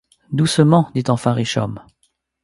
Doucement ! dit enfin Richomme.